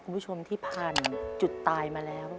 คุณผู้ชมที่ผ่านจุดตายมาแล้ว